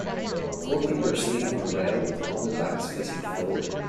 Four people are sitting on a rail all with their backs facing forward.